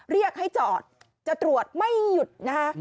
เรียกให้จอดจะตรวจไม่หยุดนะคะ